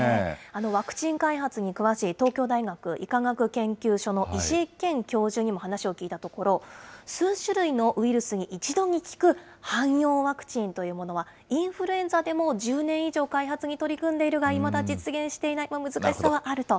ワクチン開発に詳しい東京大学医科学研究所の石井健教授にも話を聞いたところ、数種類のウイルスに一度に効く汎用ワクチンというものは、インフルエンザでも１０年以上開発に取り組んでいるが、いまだ実現していない、これ、難しさはあると。